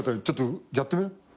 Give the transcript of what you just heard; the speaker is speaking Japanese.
ちょっとやってみな。